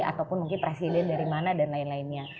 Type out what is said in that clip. ataupun mungkin presiden dari mana dan lain lainnya